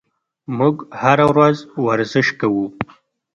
موږ هره ورځ ورزش کوو.